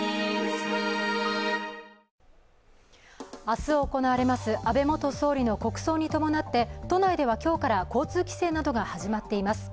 明日行われる安倍元総理の国葬に伴って都内では今日から交通規制などが始まっています。